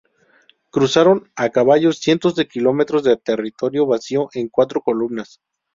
Cruzaron a caballo cientos de kilómetros de territorio vacío en cuatro columnas.